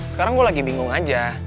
sekarang gue lagi bingung aja